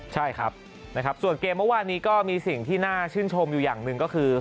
ใช่ครับนะครับส่วนเกมเมื่อวานนี้ก็มีสิ่งที่น่าชื่นชมอยู่อย่างหนึ่งก็คือ